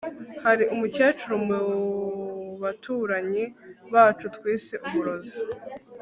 hari umukecuru mubaturanyi bacu twise Umurozi